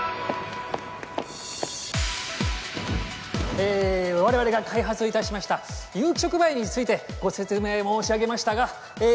え我々が開発をいたしました有機触媒についてご説明申し上げましたがえ